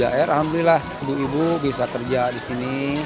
alhamdulillah ibu ibu bisa kerja disini